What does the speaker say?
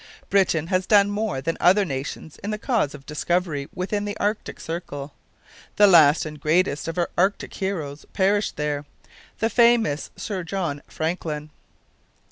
Britain has done more than other nations in the cause of discovery within the Arctic circle. The last and greatest of her Arctic heroes perished there the famous Sir John Franklin.